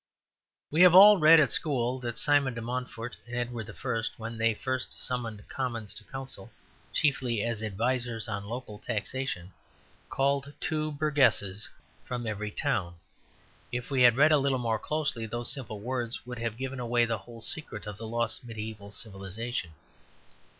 We have all read at school that Simon de Montfort and Edward I., when they first summoned Commons to council, chiefly as advisers on local taxation, called "two burgesses" from every town. If we had read a little more closely, those simple words would have given away the whole secret of the lost mediæval civilization.